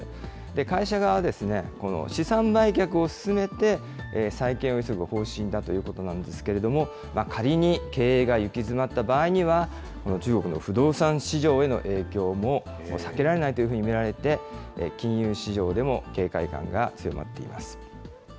会社側は、この資産売却を進めて再建を急ぐ方針だということなんですけれども、仮に経営が行き詰った場合には、この中国の不動産市場への影響も避けられないというふうに見られて、金融市場でも警戒感が強まっています。